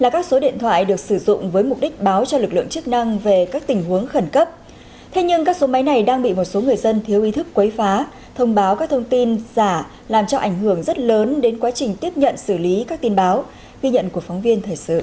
các bạn hãy đăng ký kênh để ủng hộ kênh của chúng mình nhé